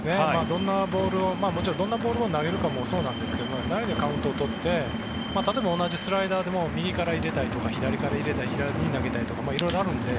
どんなボールを投げるかもそうなんですけど何でカウントを取って例えば同じスライダーでも右から入れたり左から入れたり左のインに投げたりとか色々あるので。